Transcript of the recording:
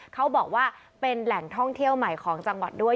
เขาบอกว่าเป็นแหล่งท่องเที่ยวใหม่ของจังหวัดด้วย